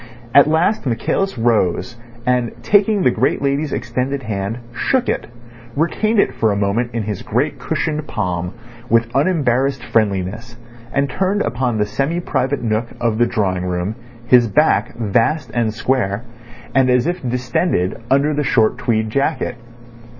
At last Michaelis rose, and taking the great lady's extended hand, shook it, retained it for a moment in his great cushioned palm with unembarrassed friendliness, and turned upon the semi private nook of the drawing room his back, vast and square, and as if distended under the short tweed jacket.